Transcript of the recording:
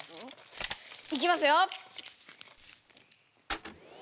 いきますよ！